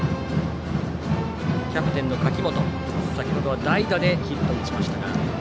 キャプテンの柿本先程は代打でヒットを打ちました。